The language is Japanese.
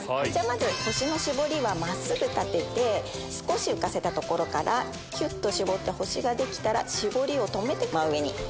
まず星の絞りは真っすぐ立てて少し浮かせたところからキュっと絞って星ができたら絞りを止めて真上に。